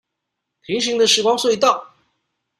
平行的時光隧道